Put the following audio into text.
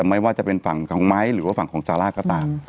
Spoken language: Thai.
ไม่ว่าจะเป็นฝั่งของไม้หรือว่าฝั่งของซาร่าก็ตาม